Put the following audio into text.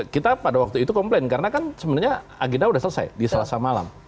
kita pada waktu itu komplain karena kan sebenarnya agenda sudah selesai di selasa malam